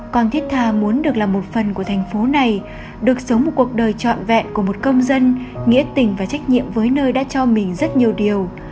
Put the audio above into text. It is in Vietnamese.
con thiết tha muốn được làm một phần của thành phố này được sống một cuộc đời trọn vẹn của một công dân nghĩa tình và trách nhiệm với nơi đã cho mình rất nhiều điều